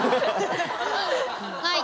はい。